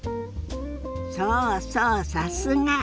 そうそうさすが！